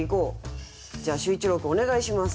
じゃあ秀一郎君お願いします。